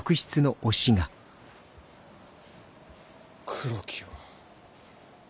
黒木は。